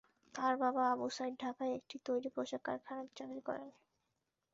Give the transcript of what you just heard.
তার বাবা আবু সাঈদ ঢাকায় একটি তৈরি পোশাক কারখানায় চাকরি করেন।